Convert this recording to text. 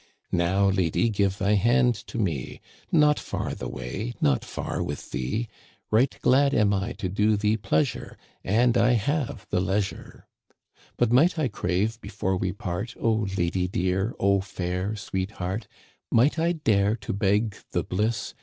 " Now, lady, give thy hand to me. Not far the way — not far with thee. Right glad am I to do thee pleasure. And I have the leisure. Digitized by VjOOQIC Î32 THE CANADIANS OF OLD. But might I crave before we part. Oh, lady dear, oh, fair sweet hearts Might I dare to beg the bliss